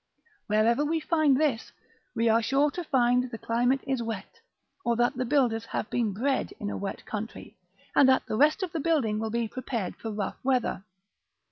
Wherever we find this, we are sure that the climate is wet, or that the builders have been bred in a wet country, and that the rest of the building will be prepared for rough weather.